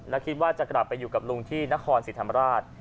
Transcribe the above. และคิดว่าจะกลับไปอยู่กับลุงที่นครศรีธรรมราช